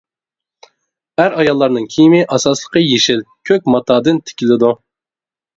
ئەر-ئاياللارنىڭ كىيىمى ئاساسلىقى يېشىل، كۆك ماتادىن تىكىلىدۇ.